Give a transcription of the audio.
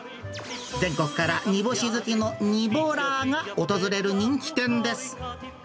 全国から煮干し好きのニボラーが訪れる人気店です。